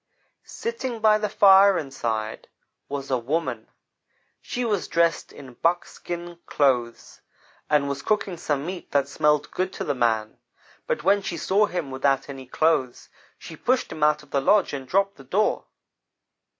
"Sitting by the fire inside, was a woman. She was dressed in buckskin clothes, and was cooking some meat that smelled good to the man, but when she saw him without any clothes, she pushed him out of the lodge, and dropped the door.